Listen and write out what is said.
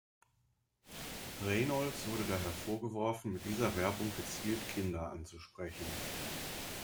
Reynolds wurde daher vorgeworfen, mit dieser Werbung gezielt Kinder anzusprechen.